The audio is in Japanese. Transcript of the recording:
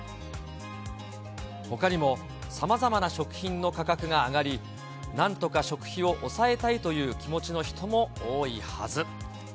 ほかにもさまざまな食品の価格が上がり、なんとか食費を抑えたいという気持ちの人も多いはず。